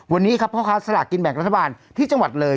วันนี้ครับพ่อค้าสลากกินแบ่งรัฐบาลที่จังหวัดเลย